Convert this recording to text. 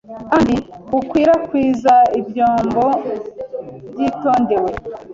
Kandi bukwirakwiza ibyambo byitondewe